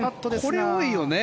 これ、多いよね。